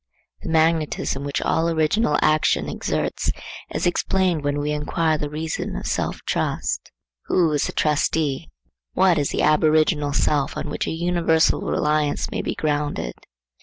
The magnetism which all original action exerts is explained when we inquire the reason of self trust. Who is the Trustee? What is the aboriginal Self, on which a universal reliance may be grounded?